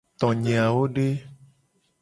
Tonye awo de?